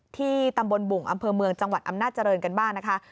ที่ตำบลบุ่งอำเภอเมืองจังหวัดอำนาจริงกันบ้างนะคะ